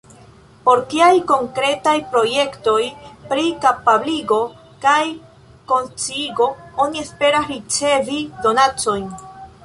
Por kiaj konkretaj projektoj pri kapabligo kaj konsciigo oni esperas ricevi donacojn?